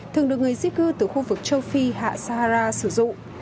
thường được người di cư từ khu vực châu phi hạ sahara sử dụng